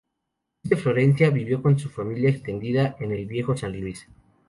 Luis de Florencia vivió con su familia extendida en el viejo San Luis.